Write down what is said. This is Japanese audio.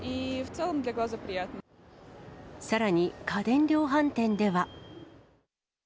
さらに、家電量販店では。